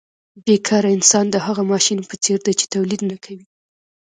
بې کاره انسان د هغه ماشین په څېر دی چې تولید نه کوي